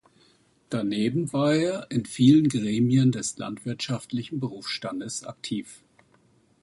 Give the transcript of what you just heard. Daneben war er in vielen Gremien des landwirtschaftlichen Berufsstandes aktiv.